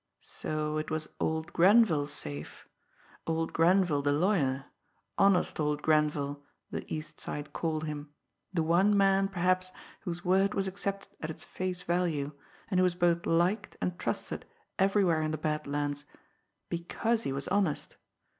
So it was old Grenville's safe! Old Grenville, the lawyer; honest old Grenville, the East Side called him, the one man, perhaps, whose word was accepted at its face value, and who was both liked and trusted everywhere in the Bad Lands because he was honest!